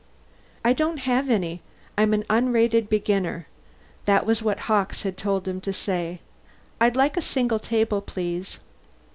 "I don't have any. I'm an unrated beginner." That was what Hawkes had told him to say. "I'd like a single table, please."